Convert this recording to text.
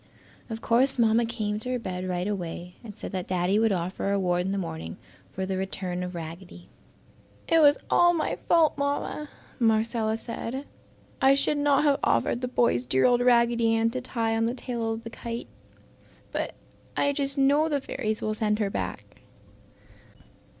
Of course Mamma came to her bed right away and said that Daddy would offer a reward in the morning for the return of Raggedy. "It was all my fault, Mamma!" Marcella said. "I should not have offered the boys dear old Raggedy Ann to tie on the tail of the kite! But I just know the fairies will send her back."